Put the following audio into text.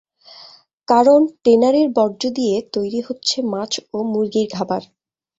কারণ, ট্যানারির বর্জ্য দিয়ে তৈরি হচ্ছে মাছ ও মুরগির খাবার।